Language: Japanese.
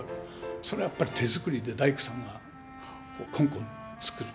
それはやっぱり手作りで大工さんがコンコン作る。